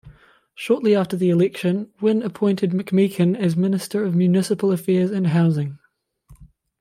Shortly after the election, Wynne appointed McMeekin as Minister of Municipal Affairs and Housing.